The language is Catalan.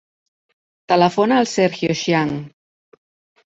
Telefona al Sergio Xiang.